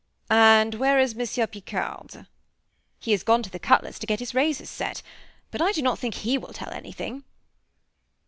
"And where is Monsieur Picard?" "He has gone to the cutler's to get his razors set. But I do not think he will tell anything."